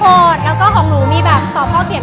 โหมดแล้วก็ของหนูมีสอบข้อเข้าเก็บเยอะมากเลยค่ะ